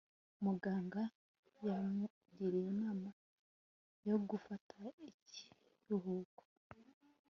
Muganga yamugiriye inama yo gufata ikiruhuko